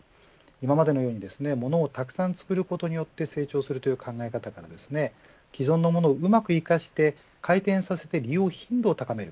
今までのようにものをたくさん作ることによって成長するという考え方は既存のものをうまく生かして改善させて利用頻度を高める。